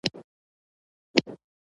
ګلاب د زړونو غږ دی.